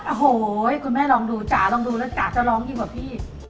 โอ้โหคุณแม่ลองดูจ๋าลองดูแล้วจ๋าจะร้องยิ่งกว่าพี่